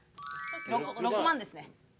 ６万ですね。